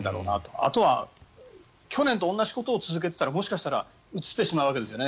あとは去年と同じことを続けていたらもしかしたらうつってしまうわけですよね。